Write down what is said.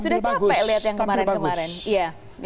sudah capek lihat yang kemarin kemarin